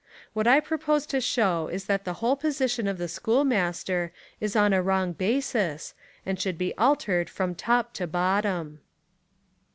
What I propose to show is that the whole position of the schoolmaster is on a wrong basis and should be altered from top to bottom.